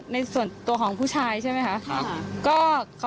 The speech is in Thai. ในส่วนตัวของผู้ชายใช่ไหมคะ